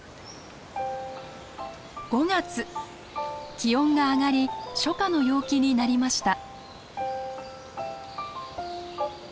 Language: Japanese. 気温が上がり初夏の陽気になりました。